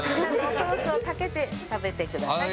ソースをかけて食べてください。